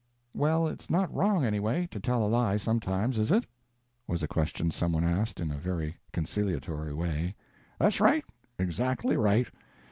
"Well, it's not wrong, anyway, to tell a lie sometimes, is it?" was a question some one asked in a very conciliatory way. "That's right, exactly right.